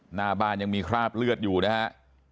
หน้าบ้านยังมีคราบเลือดอยู่นะฮะ